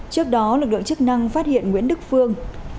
trước đó lực lượng chức năng phát hiện nguyễn đức phương